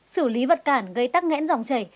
sử lý vật cản gây tắc ngẽn dòng chảy